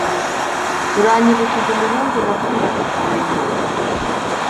Uranyibukije umuhungu nakundaga kumenya.